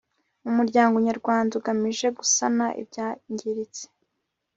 umuryango nyarwanda ugamije gusana ibyangiritse